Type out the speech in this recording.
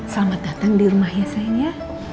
selamat datang di rumah ya sayang ya